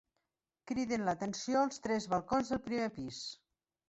Criden l'atenció els tres balcons del primer pis.